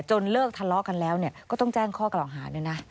เลิกทะเลาะกันแล้วก็ต้องแจ้งข้อกล่าวหาด้วยนะ